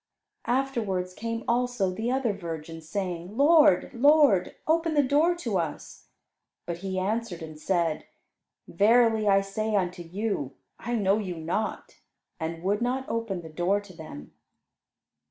Afterwards, came also the other virgins, saying, "Lord, Lord, open the door to us." But he answered and said, "Verily I say unto you, I know you not," and would not open the door to them.